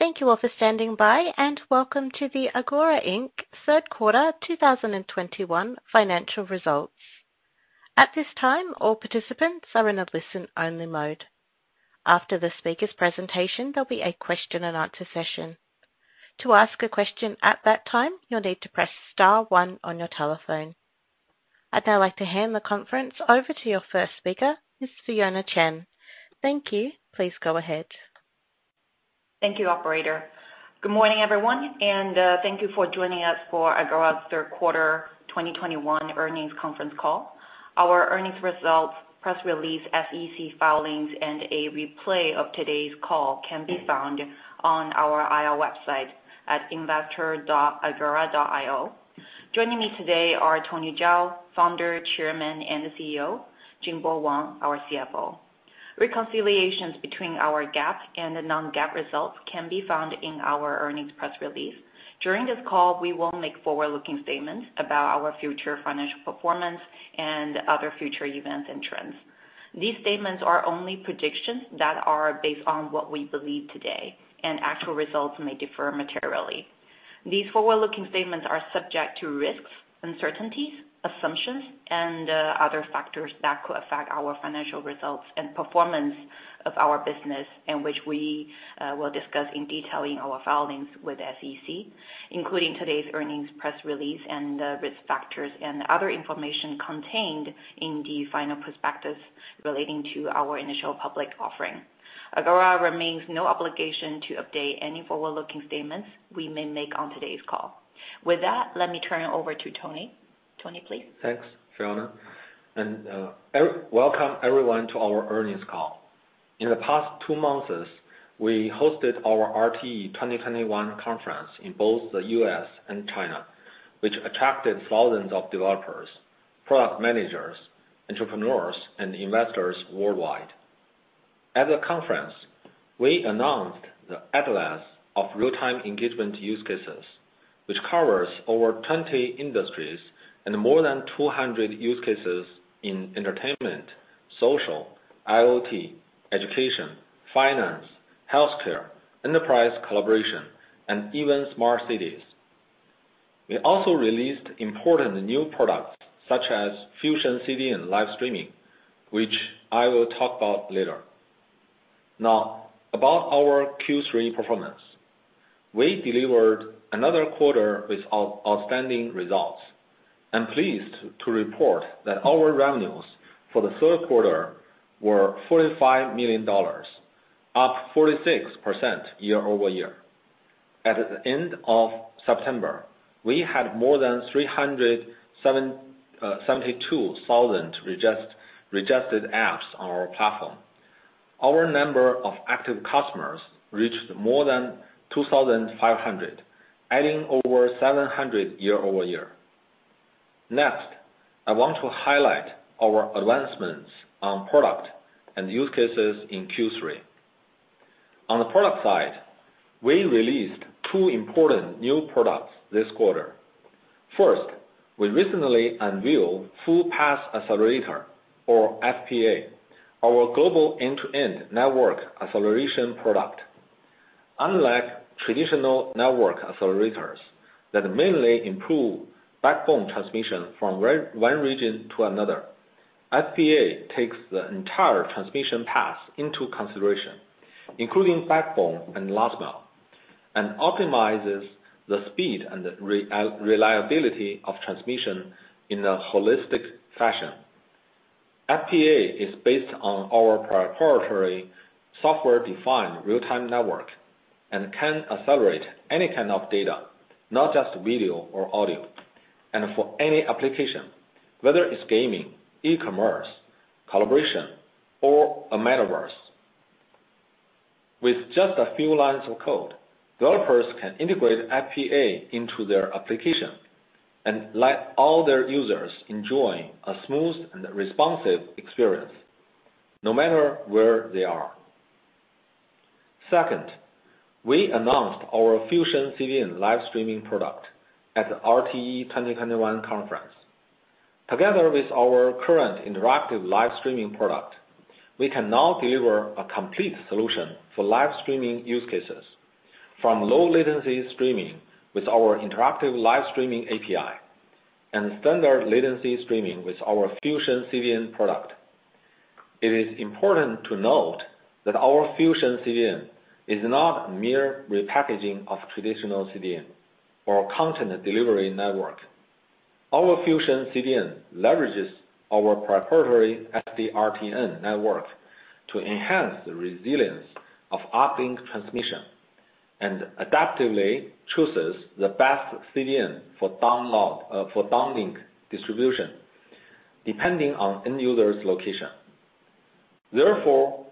Thank you all for standing by, and welcome to the Agora, Inc. third quarter 2021 financial results. At this time, all participants are in a listen-only mode. After the speaker's presentation, there'll be a question and answer session. To ask a question at that time, you'll need to press star one on your telephone. I'd now like to hand the conference over to your first speaker, Ms. Fionna Chen. Thank you. Please go ahead. Thank you, operator. Good morning, everyone, and thank you for joining us for Agora's third quarter 2021 earnings conference call. Our earnings results, press release, SEC filings, and a replay of today's call can be found on our investor website at investor.agora.io. Joining me today are Tony Zhao, founder, chairman, and CEO, Jingbo Wang, our CFO. Reconciliations between our GAAP and non-GAAP results can be found in our earnings press release. During this call, we will make forward-looking statements about our future financial performance and other future events and trends. These statements are only predictions that are based on what we believe today, and actual results may differ materially. These forward-looking statements are subject to risks, uncertainties, assumptions, and other factors that could affect our financial results and performance of our business, and which we will discuss in detail in our filings with SEC, including today's earnings press release and the risk factors and other information contained in the final prospectus relating to our initial public offering. Agora remains under no obligation to update any forward-looking statements we may make on today's call. With that, let me turn it over to Tony. Tony, please. Thanks, Fionna. Welcome everyone to our earnings call. In the past two months, we hosted our RTE 2021 conference in both the U.S. and China, which attracted thousands of developers, product managers, entrepreneurs, and investors worldwide. At the conference, we announced the atlas of real-time engagement use cases, which covers over 20 industries and more than 200 use cases in entertainment, social, IoT, education, finance, healthcare, enterprise collaboration, and even smart cities. We also released important new products such as Fusion CDN live streaming, which I will talk about later. Now, about our Q3 performance. We delivered another quarter with outstanding results. I'm pleased to report that our revenues for the third quarter were $45 million, up 46% year-over-year. At the end of September, we had more than 372,000 registered apps on our platform. Our number of active customers reached more than 2,500, adding over 700 year-over-year. Next, I want to highlight our advancements on product and use cases in Q3. On the product side, we released two important new products this quarter. First, we recently unveiled Full-Path Accelerator or FPA, our global end-to-end network acceleration product. Unlike traditional network accelerators that mainly improve backbone transmission from one region to another, FPA takes the entire transmission path into consideration, including backbone and last mile, and optimizes the speed and reliability of transmission in a holistic fashion. FPA is based on our proprietary Software-Defined Real-Time Network and can accelerate any kind of data, not just video or audio, and for any application, whether it's gaming, e-commerce, collaboration, or a Metaverse. With just a few lines of code, developers can integrate FPA into their application and let all their users enjoy a smooth and responsive experience no matter where they are. Second, we announced our Fusion CDN live streaming product at the RTE 2021 conference. Together with our current interactive live streaming product, we can now deliver a complete solution for live streaming use cases from low latency streaming with our interactive live streaming API and standard latency streaming with our Fusion CDN product. It is important to note that our Fusion CDN is not mere repackaging of traditional CDN or content delivery network. Our Fusion CDN leverages our proprietary SD-RTN network to enhance the resilience of uplink transmission and adaptively chooses the best CDN for download, for downlink distribution, depending on end user's location. Therefore,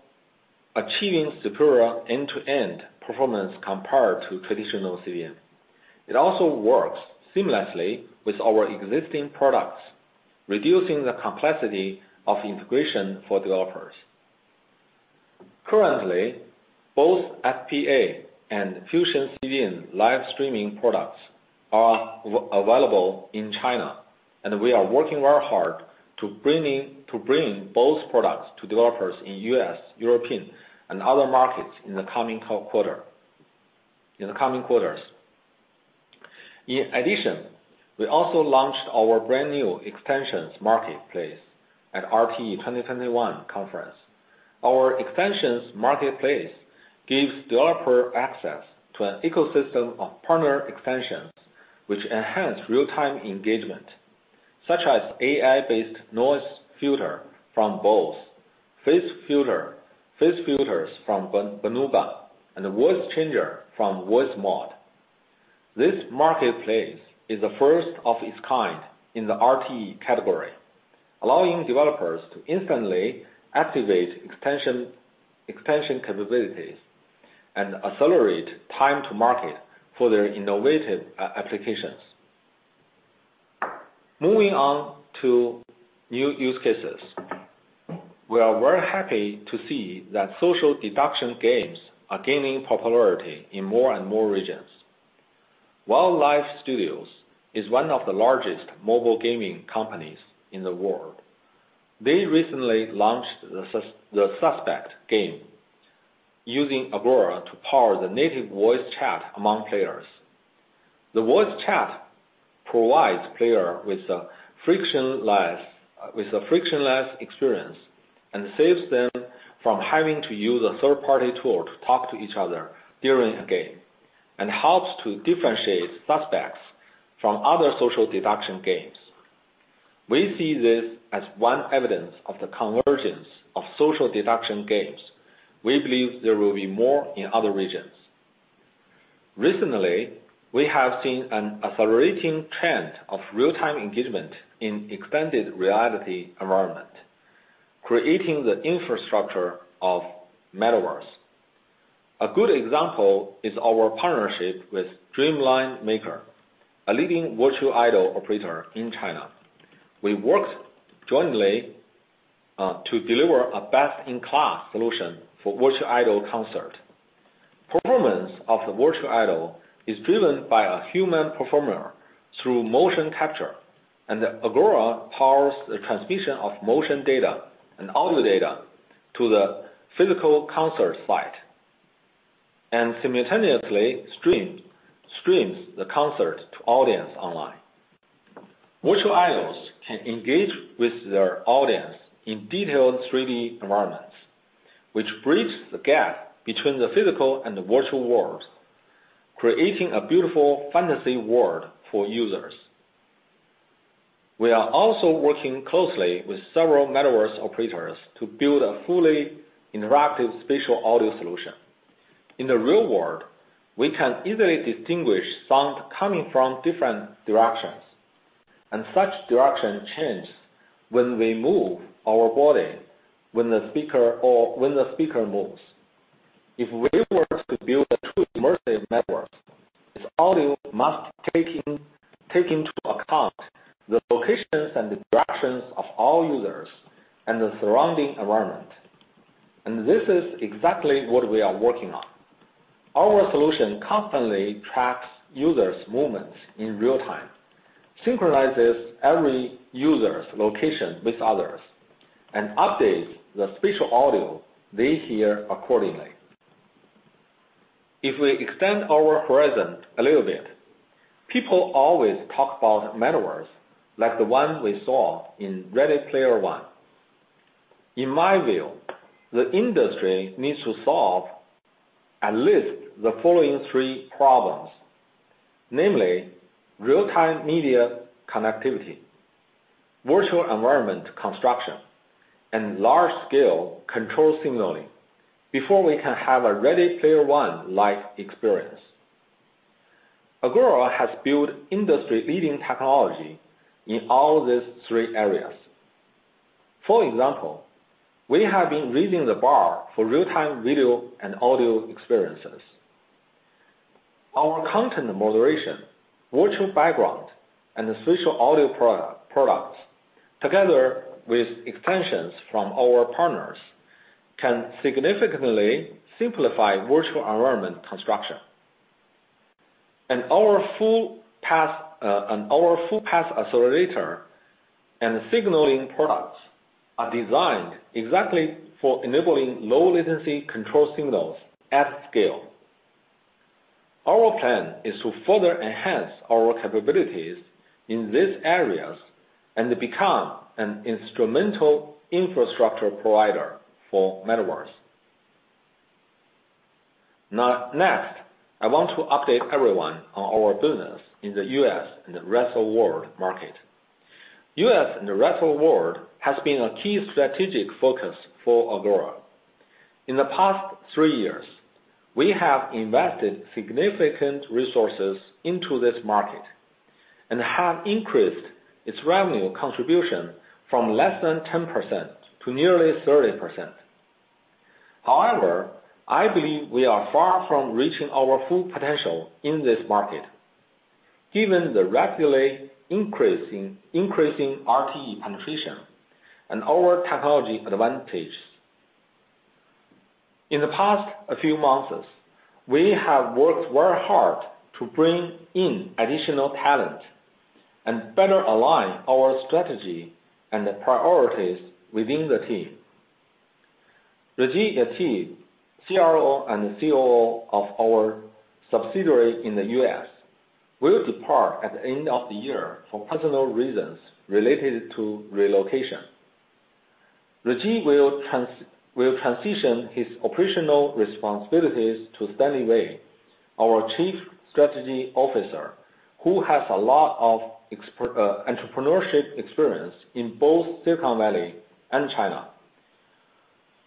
achieving superior end-to-end performance compared to traditional CDN. It also works seamlessly with our existing products, reducing the complexity of integration for developers. Currently, both FPA and Fusion CDN live streaming products are available in China. We are working very hard to bring both products to developers in U.S., European, and other markets in the coming quarters. In addition, we also launched our brand new extensions marketplace at RTE 2021 conference. Our extensions marketplace gives developer access to an ecosystem of partner extensions, which enhance real-time engagement, such as AI-based noise filter from Bose, face filters from Banuba, and voice changer from Voicemod. This marketplace is the first of its kind in the RTE category, allowing developers to instantly activate extension capabilities and accelerate time to market for their innovative applications. Moving on to new use cases. We are very happy to see that social deduction games are gaining popularity in more and more regions. Wildlife Studios is one of the largest mobile gaming companies in the world. They recently launched the Suspects game using Agora to power the native voice chat among players. The voice chat provides players with a frictionless experience and saves them from having to use a third-party tool to talk to each other during a game, and helps to differentiate Suspects from other social deduction games. We see this as one evidence of the convergence of social deduction games. We believe there will be more in other regions. Recently, we have seen an accelerating trend of real-time engagement in extended reality environment, creating the infrastructure of Metaverse. A good example is our partnership with Dreamline Maker, a leading virtual idol operator in China. We worked jointly to deliver a best-in-class solution for virtual idol concert. Performance of the virtual idol is driven by a human performer through motion capture, and Agora powers the transmission of motion data and audio data to the physical concert site, and simultaneously streams the concert to audience online. Virtual idols can engage with their audience in detailed three-dimensional environments, which bridge the gap between the physical and the virtual world, creating a beautiful fantasy world for users. We are also working closely with several Metaverse operators to build a fully interactive spatial audio solution. In the real world, we can easily distinguish sound coming from different directions, and such directions change when we move our body or when the speaker moves. If we were to build a true immersive Metaverse, this audio must take in, take into account the locations and directions of all users and the surrounding environment. This is exactly what we are working on. Our solution constantly tracks users movements in real-time, synchronizes every user's location with others, and updates the spatial audio they hear accordingly. If we extend our horizon a little bit, people always talk about Metaverse like the one we saw in Ready Player One. In my view, the industry needs to solve at least the following three problems, namely real-time media connectivity, virtual environment construction, and large scale control signaling before we can have a Ready Player One-like experience. Agora has built industry-leading technology in all these three areas. For example, we have been raising the bar for real-time video and audio experiences. Our content moderation, virtual background, and spatial audio products, together with extensions from our partners, can significantly simplify virtual environment construction. Our full path accelerator and signaling products are designed exactly for enabling low latency control signals at scale. Our plan is to further enhance our capabilities in these areas and become an instrumental infrastructure provider for Metaverse. Now, next, I want to update everyone on our business in the U.S. and the rest of world market. U.S. and the rest of world has been a key strategic focus for Agora. In the past three years, we have invested significant resources into this market and have increased its revenue contribution from less than 10% to nearly 30%. However, I believe we are far from reaching our full potential in this market. Given the rapidly increasing RTE penetration and our technology advantage. In the past few months, we have worked very hard to bring in additional talent and better align our strategy and priorities within the team. Reggie Gatti, CRO and COO of our subsidiary in the U.S., will depart at the end of the year for personal reasons related to relocation. Reggie will transition his operational responsibilities to Stanley Wei, our Chief Strategy Officer, who has a lot of entrepreneurship experience in both Silicon Valley and China.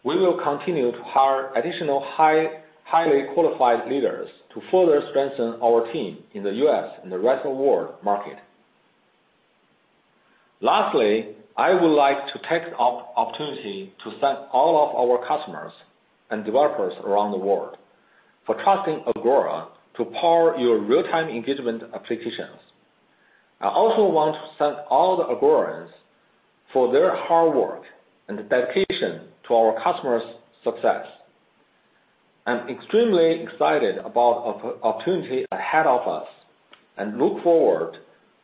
We will continue to hire additional highly qualified leaders to further strengthen our team in the U.S. and the rest of world market. Lastly, I would like to take the opportunity to thank all of our customers and developers around the world for trusting Agora to power your real-time engagement applications. I also want to thank all the Agorans for their hard work and dedication to our customers' success. I'm extremely excited about opportunity ahead of us and look forward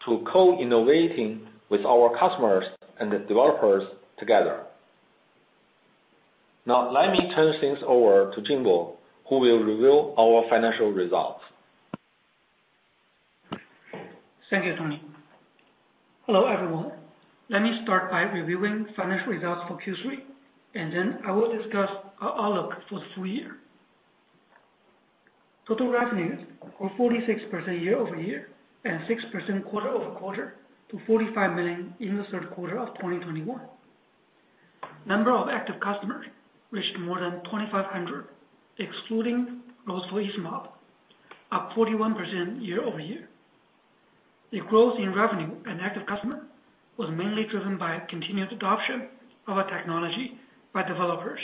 to co-innovating with our customers and the developers together. Now let me turn things over to Jingbo, who will reveal our financial results. Thank you, Tony. Hello, everyone. Let me start by reviewing financial results for Q3, and then I will discuss our outlook for the full year. Total revenues were 46% year-over-year and 6% quarter-over-quarter to $45 million in the third quarter of 2021. Number of active customers reached more than 2,500 excluding those for Easemob, up 41% year-over-year. The growth in revenue and active customer was mainly driven by continued adoption of our technology by developers,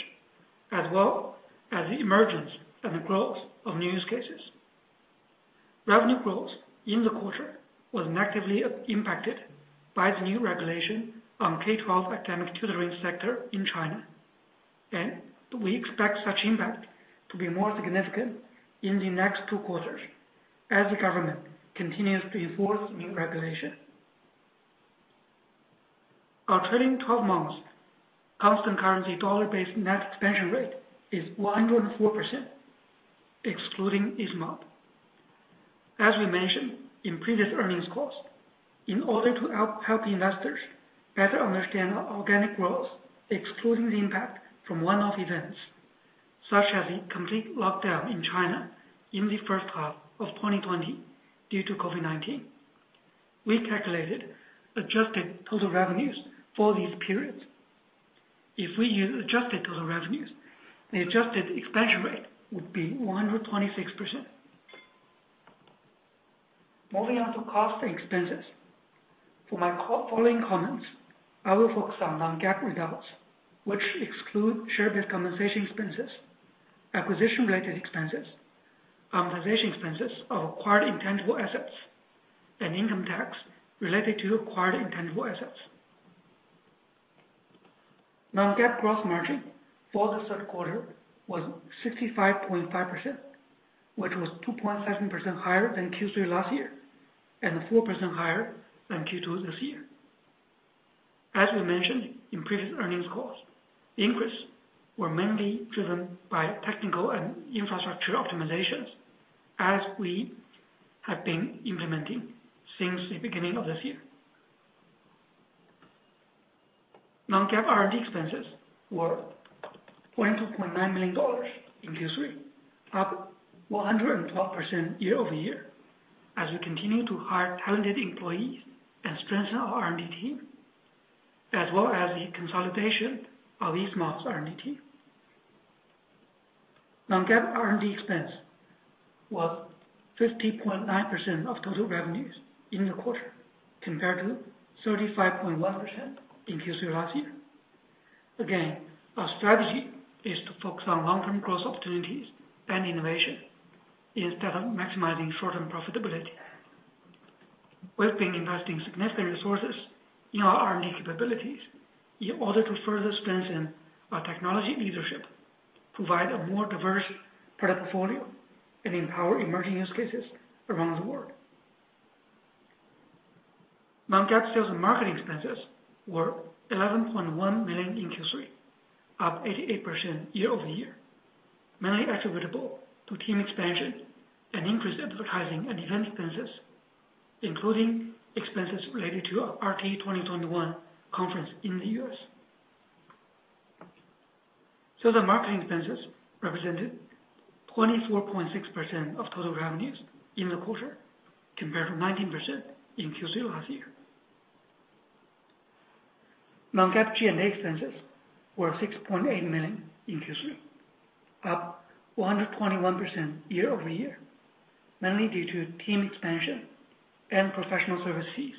as well as the emergence and the growth of new use cases. Revenue growth in the quarter was negatively impacted by the new regulation on K-12 academic tutoring sector in China, and we expect such impact to be more significant in the next two quarters as the government continues to enforce new regulation. Our trailing 12 months constant currency dollar-based net expansion rate is 104% excluding Easemob. As we mentioned in previous earnings calls, in order to help investors better understand our organic growth, excluding the impact from one-off events such as the complete lockdown in China in the first half of 2020 due to COVID-19, we calculated adjusted total revenues for these periods. If we use adjusted total revenues, the adjusted expansion rate would be 126%. Moving on to cost and expenses. For my following comments, I will focus on non-GAAP results, which exclude share-based compensation expenses, acquisition-related expenses, amortization expenses of acquired intangible assets, and income tax related to acquired intangible assets. Non-GAAP gross margin for the third quarter was 65.5%, which was 2.7% higher than Q3 last year and 4% higher than Q2 this year. As we mentioned in previous earnings calls, the increase were mainly driven by technical and infrastructure optimizations, as we have been implementing since the beginning of this year. Non-GAAP R&D expenses were $22.9 million in Q3, up 112% year-over-year as we continue to hire talented employees and strengthen our R&D team, as well as the consolidation of Easemob's R&D team. Non-GAAP R&D expense was 50.9% of total revenues in the quarter, compared to 35.1% in Q3 last year. Again, our strategy is to focus on long-term growth opportunities and innovation instead of maximizing short-term profitability. We've been investing significant resources in our R&D capabilities in order to further strengthen our technology leadership, provide a more diverse product portfolio, and empower emerging use cases around the world. Non-GAAP sales and marketing expenses were $11.1 million in Q3, up 88% year-over-year, mainly attributable to team expansion and increased advertising and event expenses, including expenses related to our RT 2021 conference in the U.S. The marketing expenses represented 24.6% of total revenues in the quarter, compared to 19% in Q3 last year. Non-GAAP G&A expenses were $6.8 million in Q3, up 121% year-over-year, mainly due to team expansion and professional service fees.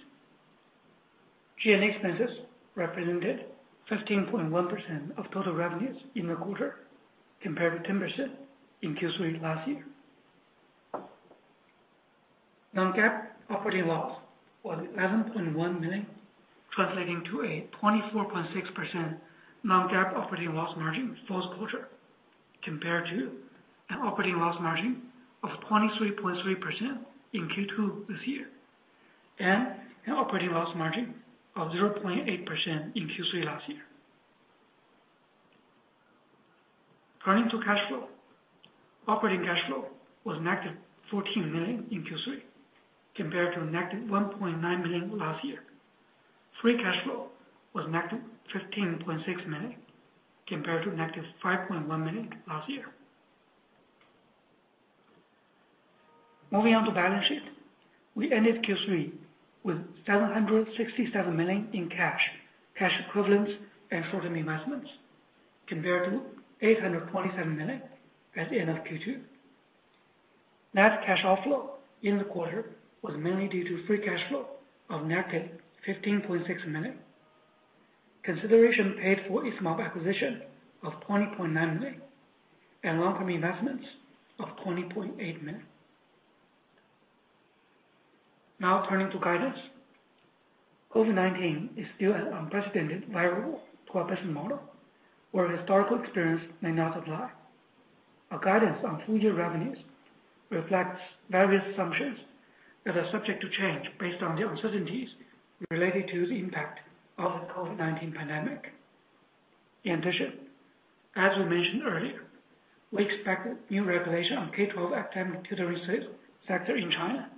G&A expenses represented 15.1% of total revenues in the quarter, compared to 10% in Q3 last year. Non-GAAP operating loss was negative $11.1 million, translating to a 24.6% non-GAAP operating loss margin this fourth quarter compared to an operating loss margin of 23.3% in Q2 this year, and an operating loss margin of 0.8% in Q3 last year. Turning to cash flow. Operating cash flow was -$14 million in Q3 compared to -$1.9 million last year. Free cash flow was -$15.6 million compared to -$5.1 million last year. Moving on to balance sheet. We ended Q3 with $767 million in cash equivalents and short-term investments compared to $827 million at the end of Q2. Net cash outflow in the quarter was mainly due to free cash flow of negative $15.6 million, consideration paid for a small acquisition of $20.9 million and long-term investments of $20.8 million. Now turning to guidance. COVID-19 is still an unprecedented viral situation where historical experience may not apply. Our guidance on full-year revenues reflects various assumptions that are subject to change based on the uncertainties related to the impact of the COVID-19 pandemic. In addition, as we mentioned earlier, we expect new regulation on K-12 academic tutoring service sector in China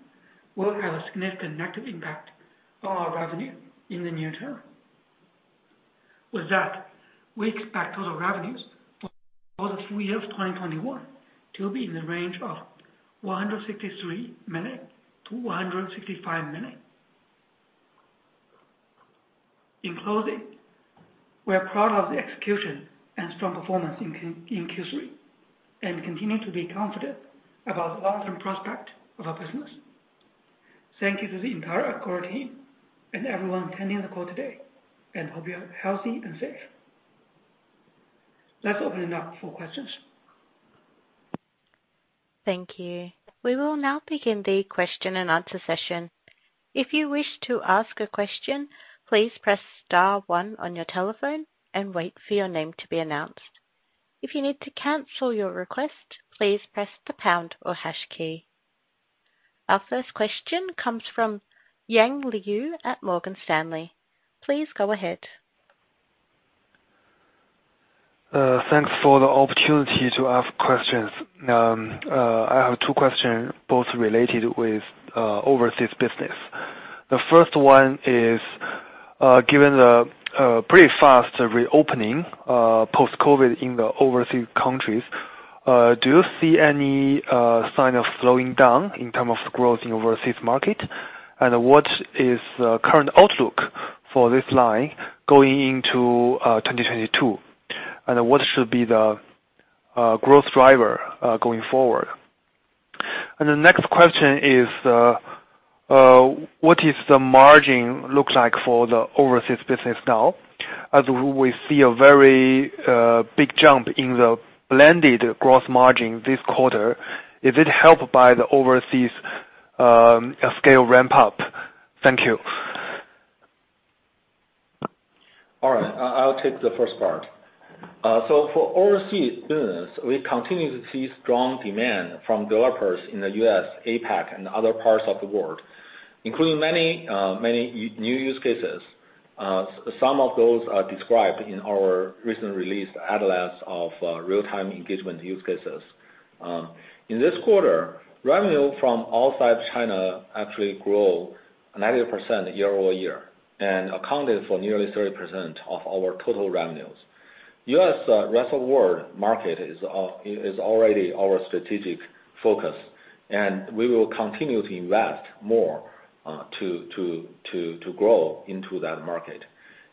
will have a significant negative impact on our revenue in the near term. With that, we expect total revenues for the full year of 2021 to be in the range of $163 million-$165 million. In closing, we are proud of the execution and strong performance in Q3, and continue to be confident about the long-term prospect of our business. Thank you to the entire Agora team and everyone attending the call today, and hope you are healthy and safe. Let's open it up for questions. Thank you. We will now begin the question and answer session. If you wish to ask a question, please press star one on your telephone and wait for your name to be announced. If you need to cancel your request, please press the pound or hash key. Our first question comes from Yang Liu at Morgan Stanley. Please go ahead. Thanks for the opportunity to ask questions. I have two questions both related with overseas business. The first one is, given the pretty fast reopening post-COVID in the overseas countries, do you see any sign of slowing down in terms of growth in overseas market? What is the current outlook for this line going into 2022? What should be the growth driver going forward? The next question is, what is the margin looks like for the overseas business now? As we see a very big jump in the blended gross margin this quarter. Is it helped by the overseas scale ramp up? Thank you. All right. I'll take the first part, so for overseas business, we continue to see strong demand from developers in the U.S., APAC and other parts of the world, including many new use cases. Some of those are described in our recent release, Atlas of Real-Time Engagement Use Cases. In this quarter, revenue from outside China actually grew 90% year-over-year and accounted for nearly 30% of our total revenues. U.S.-Rest of World market is already our strategic focus, and we will continue to invest more to grow into that market.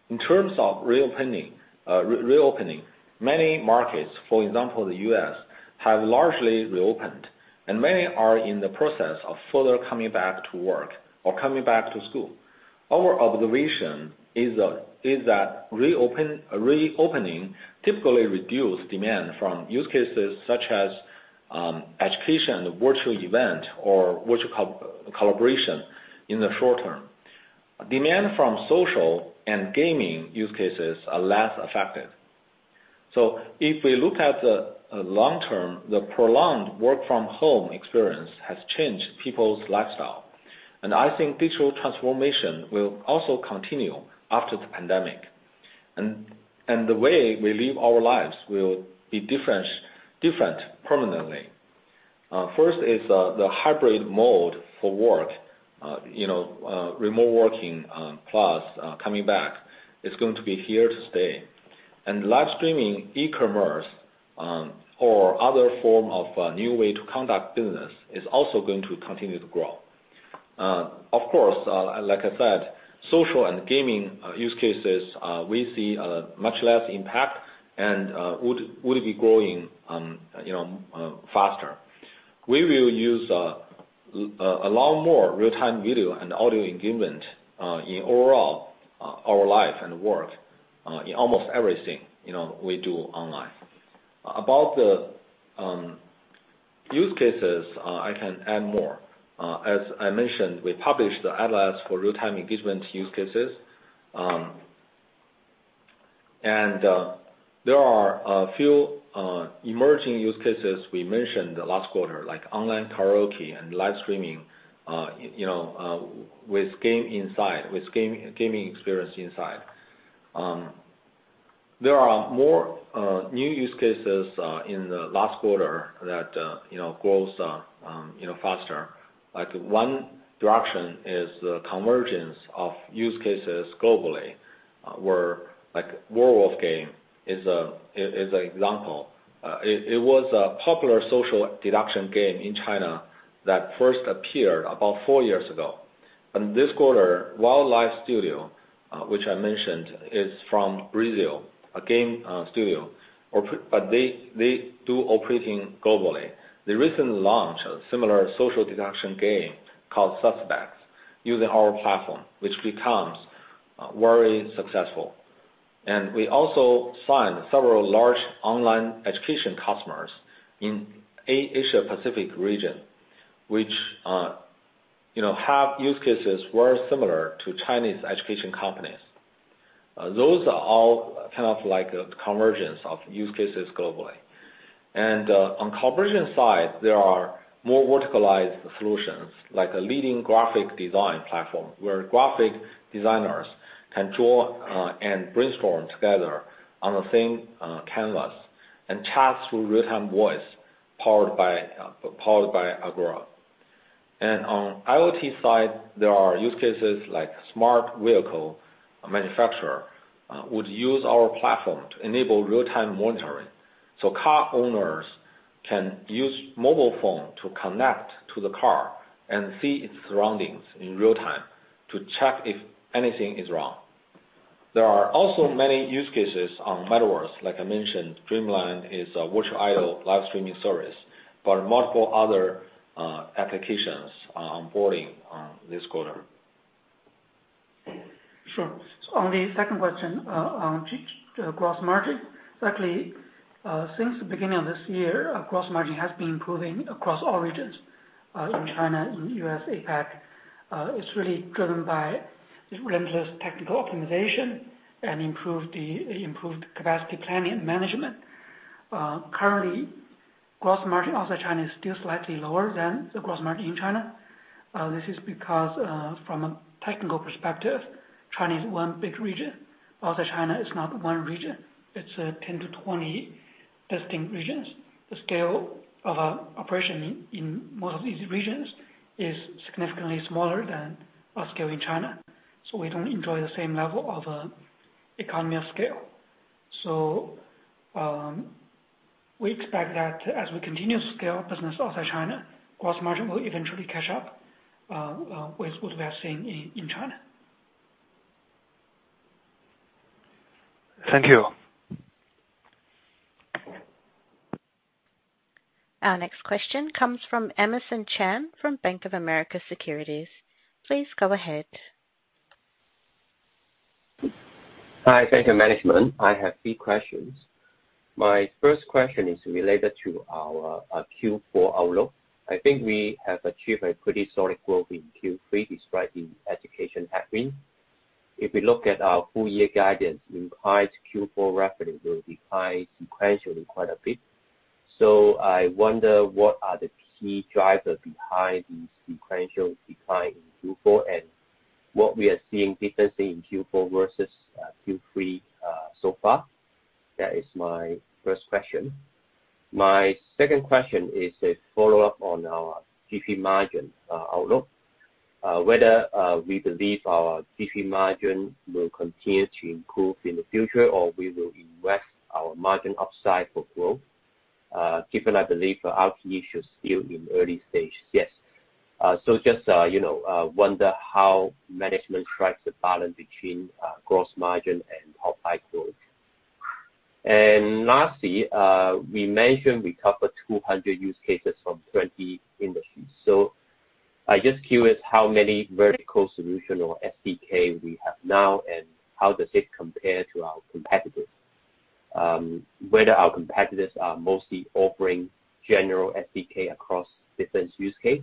In terms of reopening many markets, for example, the U.S., have largely reopened and many are in the process of further coming back to work or coming back to school. Our observation is that reopening typically reduce demand from use cases such as education, virtual event or virtual collaboration in the short term. Demand from social and gaming use cases are less affected. If we look at the long term, the prolonged work from home experience has changed people's lifestyle. I think digital transformation will also continue after the pandemic. The way we live our lives will be different permanently. First is the hybrid mode for work. You know, remote working plus coming back is going to be here to stay. Live streaming, e-commerce, or other form of new way to conduct business is also going to continue to grow. Of course, like I said, social and gaming use cases, we see much less impact and would be growing, you know, faster. We will use a lot more real-time video and audio engagement in overall our life and work in almost everything, you know, we do online. About the use cases, I can add more. As I mentioned, we published the atlas for real-time engagement use cases. There are a few emerging use cases we mentioned the last quarter, like online karaoke and live streaming, you know, with gaming experience inside. There are more new use cases in the last quarter that grows faster. Like one direction is the convergence of use cases globally, where like Werewolf game is an example. It was a popular social deduction game in China that first appeared about four years ago. This quarter, Wildlife Studios, which I mentioned, is from Brazil, a game studio, but they operate globally. They recently launched a similar social deduction game called Suspects using our platform, which becomes very successful. We also signed several large online education customers in Asia-Pacific region, which, you know, have use cases very similar to Chinese education companies. Those are all kind of like a convergence of use cases globally. On corporate side, there are more verticalized solutions, like a leading graphic design platform, where graphic designers can draw and brainstorm together on the same canvas, and chat through real-time voice powered by Agora. On IoT side, there are use cases like smart vehicle manufacturer would use our platform to enable real-time monitoring. Car owners can use mobile phone to connect to the car and see its surroundings in real time to check if anything is wrong. There are also many use cases on Metaverse. Like I mentioned, Dreamline is a virtual idol live streaming service, but multiple other applications are onboarding this quarter. Sure. On the second question, on gross margin, certainly, since the beginning of this year, our gross margin has been improving across all regions, in China, in the U.S., APAC. It's really driven by relentless technical optimization and improved capacity planning and management. Currently, gross margin outside China is still slightly lower than the gross margin in China. This is because, from a technical perspective, China is one big region. Outside China is not one region. It's 10-20 distinct regions. The scale of operation in most of these regions is significantly smaller than our scale in China, so we don't enjoy the same level of economy of scale. We expect that as we continue to scale business outside China, gross margin will eventually catch up with what we are seeing in China. Thank you. Our next question comes from Emerson Chan from Bank of America Securities. Please go ahead. Hi. Thank you, management. I have three questions. My first question is related to our Q4 outlook. I think we have achieved a pretty solid growth in Q3 despite the education headwind. If we look at our full year guidance, we've guided Q4 revenue will decline sequentially quite a bit. I wonder what are the key drivers behind this sequential decline in Q4, and what we are seeing differently in Q4 versus Q3 so far. That is my first question. My second question is a follow-up on our GP margin outlook. Whether we believe our GP margin will continue to improve in the future or we will invest our margin upside for growth, given I believe our key issue is still in early stages. Yes. Just, you know, I wonder how management strikes a balance between gross margin and top-line growth. Lastly, we mentioned we cover 200 use cases from 20 industries. I just curious how many vertical solution or SDK we have now, and how does it compare to our competitors? Whether our competitors are mostly offering general SDK across different use case,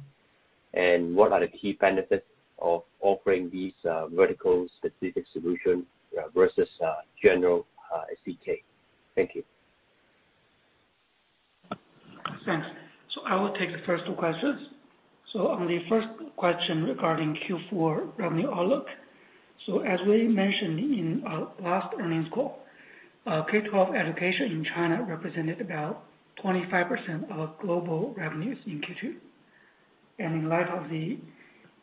and what are the key benefits of offering these vertical specific solution versus general SDK. Thank you. Thanks. I will take the first two questions. On the first question regarding Q4 revenue outlook, as we mentioned in our last earnings call, K-12 education in China represented about 25% of global revenues in Q2. In light of the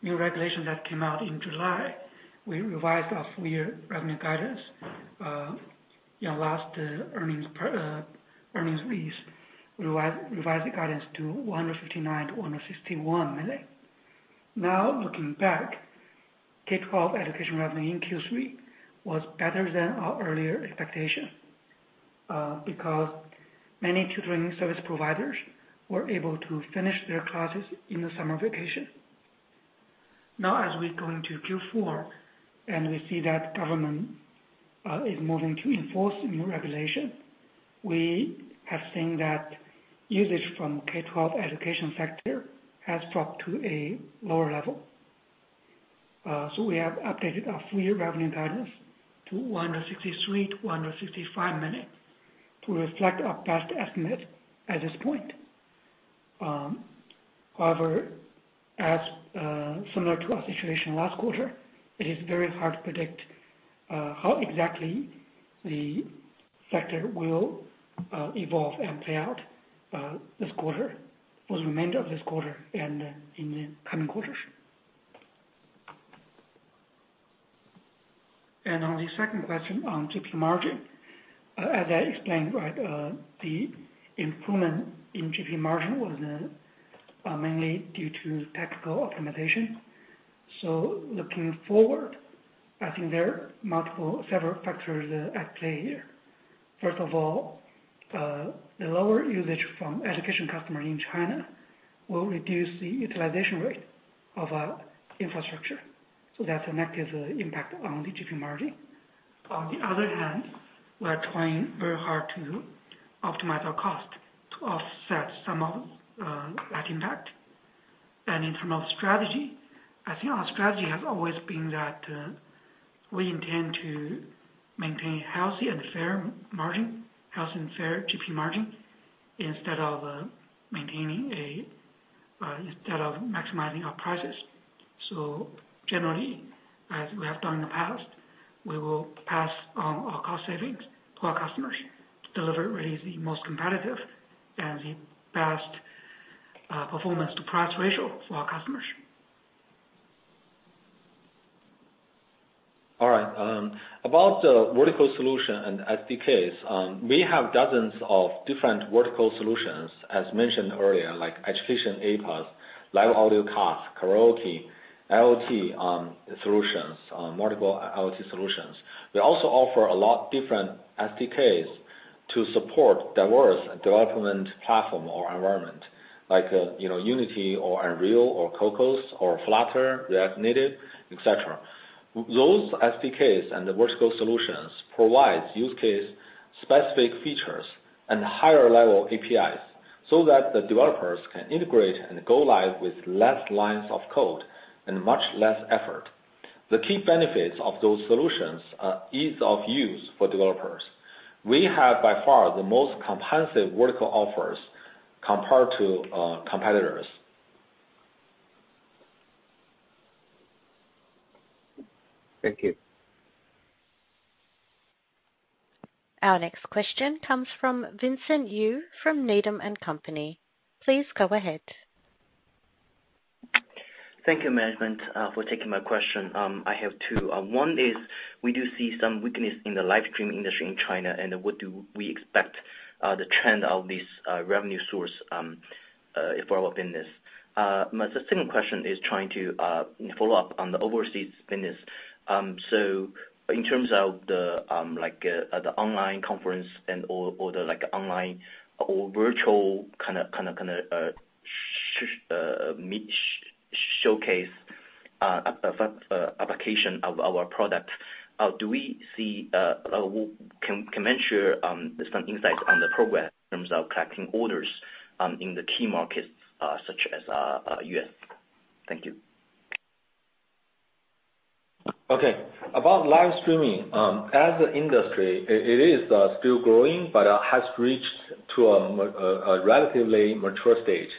new regulation that came out in July, we revised our full-year revenue guidance in our last earnings release to $159 million-$161 million. Now, looking back, K-12 education revenue in Q3 was better than our earlier expectation, because many tutoring service providers were able to finish their classes in the summer vacation. Now as we go into Q4 and we see that government is moving to enforce new regulation, we have seen that usage from K-12 education sector has dropped to a lower level. We have updated our full-year revenue guidance to $163 million-$165 million to reflect our best estimate at this point. However, as similar to our situation last quarter, it is very hard to predict how exactly the sector will evolve and play out this quarter, for the remainder of this quarter and in the coming quarters. On the second question on GP margin, as I explained, right, the improvement in GP margin was mainly due to tactical optimization. Looking forward, I think there are several factors at play here. First of all, the lower usage from education customer in China will reduce the utilization rate of our infrastructure. That's a negative impact on the GP margin. On the other hand, we are trying very hard to optimize our cost to offset some of that impact. In terms of strategy, I think our strategy has always been that we intend to maintain healthy and fair margin, healthy and fair GP margin, instead of maximizing our prices. Generally, as we have done in the past, we will pass on our cost savings to our customers to deliver really the most competitive and the best performance to price ratio for our customers. All right. About the vertical solution and SDKs, we have dozens of different vertical solutions, as mentioned earlier, like education aPaaS, live audio cast, karaoke, IoT, solutions, multiple IoT solutions. We also offer a lot different SDKs to support diverse development platform or environment like, you know, Unity or Unreal or Cocos or Flutter, React Native, et cetera. Those SDKs and the vertical solutions provides use case specific features and higher level APIs, so that the developers can integrate and go live with less lines of code and much less effort. The key benefits of those solutions are ease of use for developers. We have by far the most comprehensive vertical offers compared to competitors. Thank you. Our next question comes from Vincent Yu from Needham & Company. Please go ahead. Thank you, management, for taking my question. I have two. One is, we do see some weakness in the live streaming industry in China, and what do we expect, the trend of this revenue source for our business? My second question is trying to follow up on the overseas business. In terms of, like, the online conference and/or the like, online or virtual kinda showcase application of our product, can management share some insight on the progress in terms of collecting orders in the key markets such as U.S.? Thank you. Okay. About live streaming, as an industry, it is still growing, but has reached a relatively mature stage.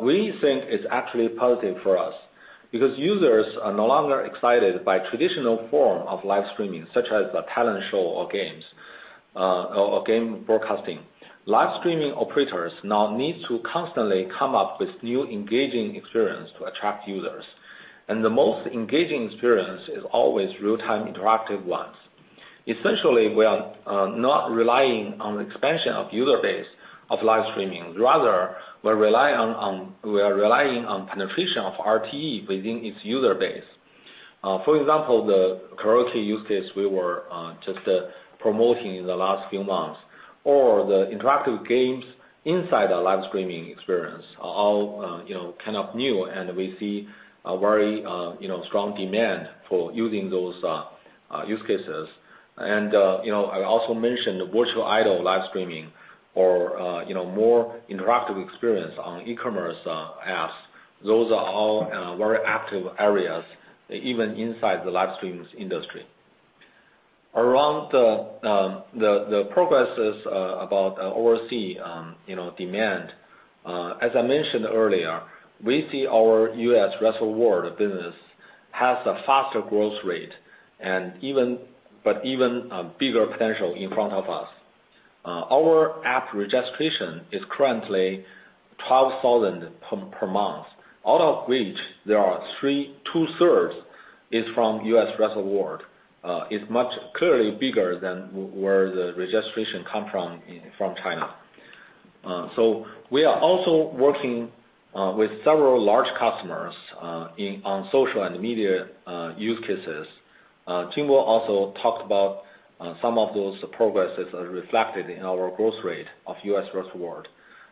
We think it's actually positive for us because users are no longer excited by traditional form of live streaming, such as a talent show or games, or game broadcasting. Live streaming operators now need to constantly come up with new engaging experience to attract users. The most engaging experience is always real-time interactive ones. Essentially, we are not relying on expansion of user base of live streaming. Rather, we're relying on penetration of RTE within its user base. For example, the karaoke use case we were just promoting in the last few months or the interactive games inside a live streaming experience are all, you know, kind of new and we see a very, you know, strong demand for using those use cases. I also mentioned virtual idol live streaming or you know, more interactive experience on e-commerce apps. Those are all very active areas even inside the live streams industry. Around the progresses about overseas you know demand, as I mentioned earlier, we see our U.S.-Rest of World business has a faster growth rate and even a bigger potential in front of us. Our app registration is currently 12,000 per month, out of which two-thirds is from U.S.-Rest of World. It's much clearly bigger than where the registration come from China. We are also working with several large customers on social and media use cases. Jingbo also talked about some of those progresses are reflected in our growth rate of U.S.-Rest of World.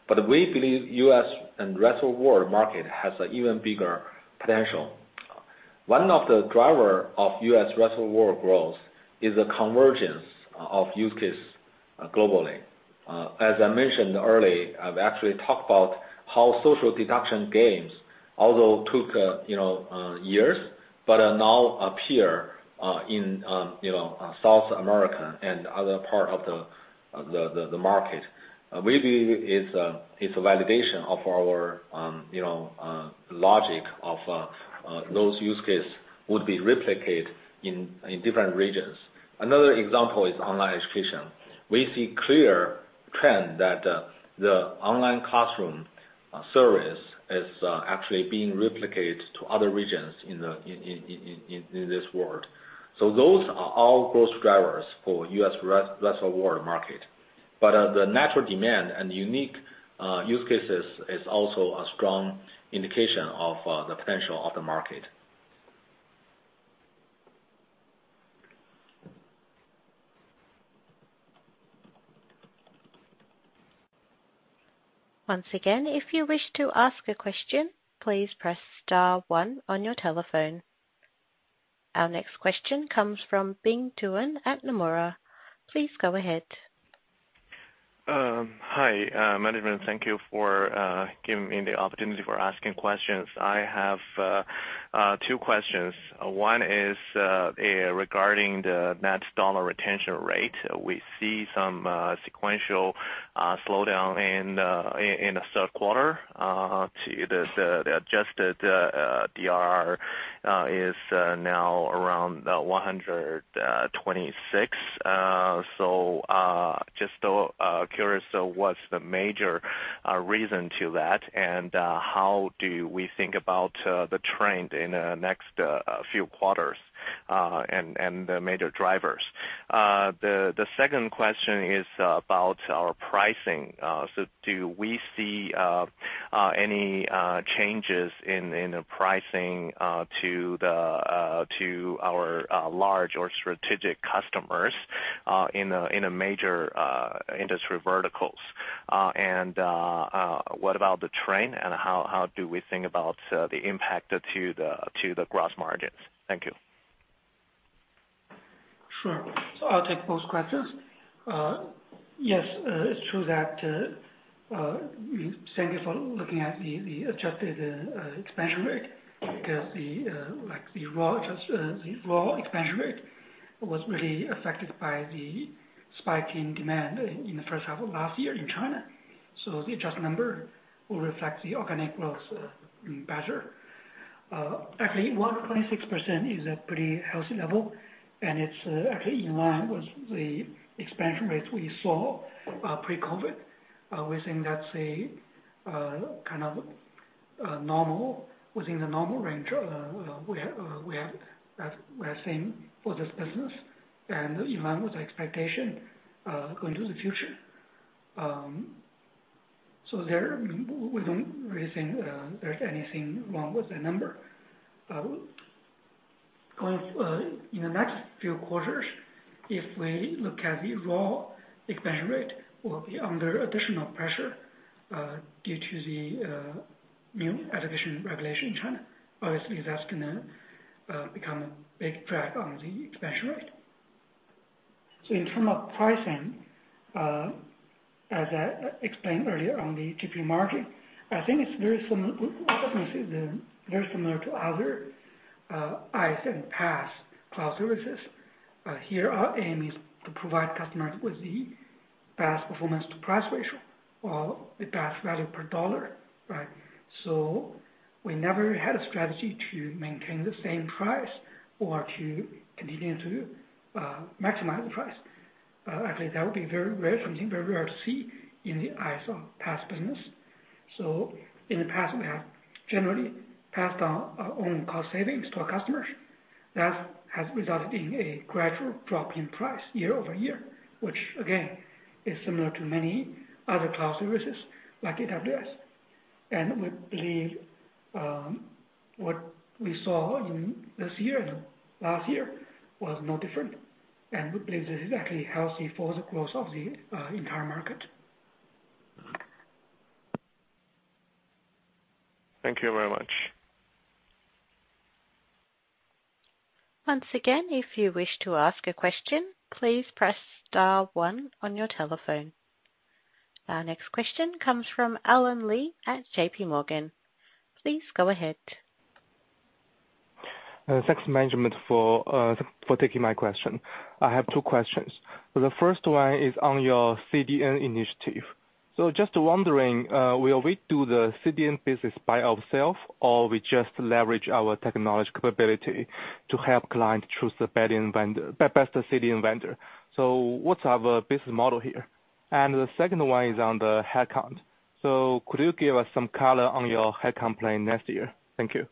We believe U.S.-Rest of World market has an even bigger potential. One of the driver of U.S.-Rest of World growth is the convergence of use case globally. As I mentioned earlier, I've actually talked about how social deduction games, although took you know years, but are now appear in South America and other part of the market. We believe it's a validation of our logic of those use case would be replicated in different regions. Another example is online education. We see a clear trend that the online classroom service is actually being replicated to other regions in the world. Those are all growth drivers for U.S.-Rest of World market. The natural demand and unique use cases is also a strong indication of the potential of the market. Once again, if you wish to ask a question, please press star one on your telephone. Our next question comes from Bing Duan at Nomura. Please go ahead. Hi, management. Thank you for giving me the opportunity for asking questions. I have two questions. One is regarding the net dollar retention rate. We see some sequential slowdown in the third quarter, the adjusted DBNR is now around 126%. Just curious, so what's the major reason to that? And how do we think about the trend in the next few quarters and the major drivers? The second question is about our pricing. Do we see any changes in the pricing to our large or strategic customers in a major industry verticals? What about the trend and how do we think about the impact to the gross margins? Thank you. Sure. I'll take both questions. Yes, it's true that thank you for looking at the adjusted expansion rate, because like the raw expansion rate was really affected by the spike in demand in the first half of last year in China. The adjusted number will reflect the organic growth better. Actually 1.6% is a pretty healthy level, and it's actually in line with the expansion rates we saw pre-COVID. We think that's kind of normal within the normal range we're seeing for this business and in line with the expectation going to the future. There we don't really think there's anything wrong with the number. Going in the next few quarters, if we look at the raw expansion rate will be under additional pressure due to the new education regulation in China. Obviously, that's gonna become a big drag on the expansion rate. In terms of pricing, as I explained earlier on the GP margin, I think it's very similar. Our business is very similar to other IaaS and PaaS cloud services. Here our aim is to provide customers with the best performance to price ratio or the best value per dollar, right? We never had a strategy to maintain the same price or to continue to maximize the price. Actually, that would be very rare, something very rare to see in the IaaS or PaaS business. In the past we have generally passed on our own cost savings to our customers. That has resulted in a gradual drop in price year-over-year, which again, is similar to many other cloud services like AWS. We believe what we saw in this year and last year was no different, and we believe this is actually healthy for the growth of the entire market. Thank you very much. Once again, if you wish to ask a question, please press star one on your telephone. Our next question comes from Allen Li at JPMorgan. Please go ahead. Thanks, management, for taking my question. I have two questions. The first one is on your CDN initiative. Just wondering, will we do the CDN business by ourselves, or we just leverage our technology capability to help client choose the best CDN vendor? What's our business model here? The second one is on the headcount. Could you give us some color on your headcount plan next year? Thank you.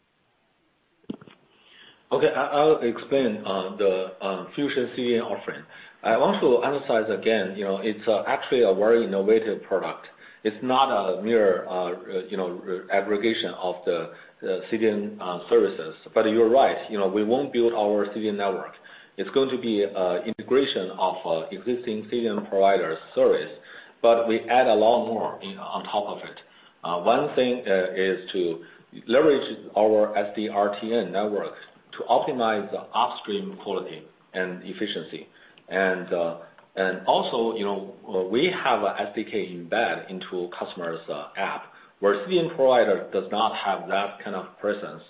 Okay. I'll explain the Fusion CDN offering. I want to emphasize again, you know, it's actually a very innovative product. It's not a mere, you know, aggregation of the CDN services. You're right, you know, we won't build our CDN network. It's going to be integration of existing CDN provider service, but we add a lot more in on top of it. One thing is to leverage our SD-RTN network to optimize the upstream quality and efficiency. Also, you know, we have SDK embedded into customers' app, where CDN provider does not have that kind of presence.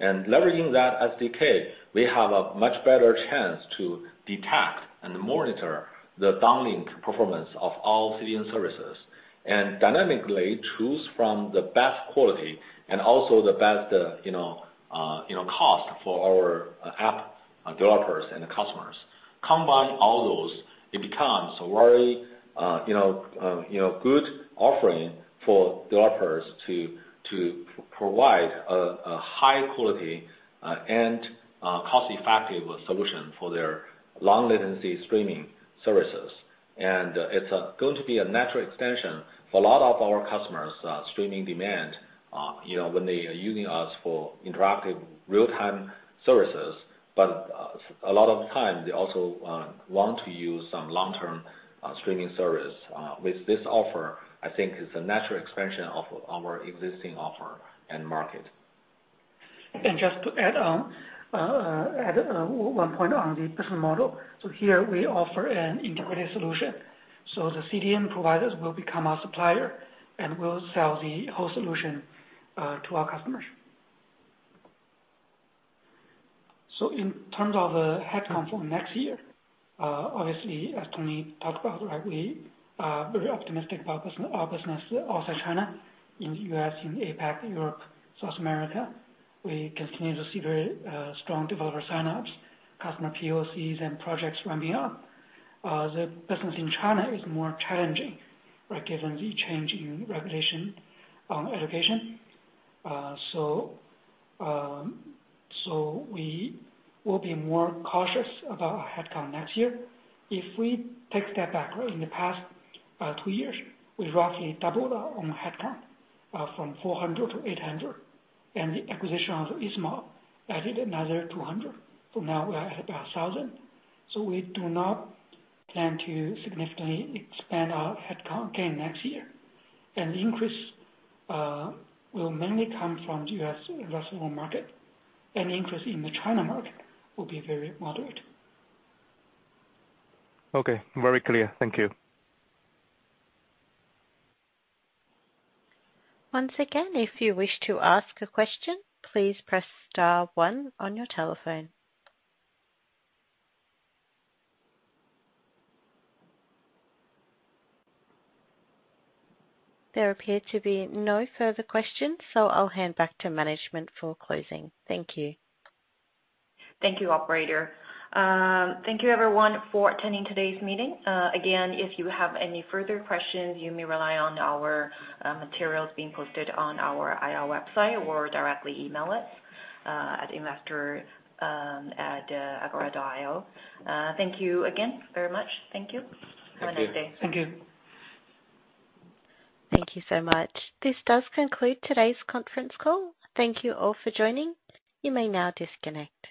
Leveraging that SDK, we have a much better chance to detect and monitor the downlink performance of all CDN services, and dynamically choose from the best quality and also the best, you know, cost for our app developers and customers. Combine all those, it becomes a very, you know, good offering for developers to provide a high quality and cost-effective solution for their low latency streaming services. It's going to be a natural extension for a lot of our customers' streaming demand, you know, when they are using us for interactive real-time services. A lot of time, they also want to use some long-term streaming service with this offer, I think is a natural expansion of our existing offer and market. Just to add on one point on the business model. Here we offer an integrated solution, so the CDN providers will become our supplier, and we'll sell the whole solution to our customers. In terms of headcount for next year, obviously, as Tony talked about, right, we are very optimistic about business, our business outside China, in the U.S., in APAC, Europe, South America. We continue to see very strong developer signups, customer POCs and projects ramping up. The business in China is more challenging, right? Given the change in regulation, education. We will be more cautious about headcount next year. If we take a step back in the past two years, we roughly doubled on headcount from 400 to 800, and the acquisition of Easemob added another 200. Now we are at about 1,000. We do not plan to significantly expand our headcount gain next year. The increase will mainly come from U.S. and Western market. Any increase in the China market will be very moderate. Okay. Very clear. Thank you. Once again, if you wish to ask a question, please press star one on your telephone. There appear to be no further questions, so I'll hand back to management for closing. Thank you. Thank you, operator. Thank you everyone for attending today's meeting. Again, if you have any further questions, you may rely on our materials being posted on our IR website or directly email us at investor.agora.io. Thank you again very much. Thank you. Thank you. Have a nice day. Thank you. Thank you so much. This does conclude today's conference call. Thank you all for joining. You may now disconnect.